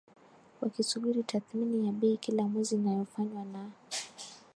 wakisubiri tathmini ya bei kila mwezi inayofanywa na